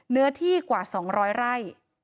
เนื้อที่กว่า๒๐๐ไร่